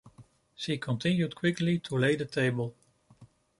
She continued quickly to lay the table.